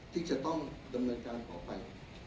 ที่จะต้องดำเนินการต่อไป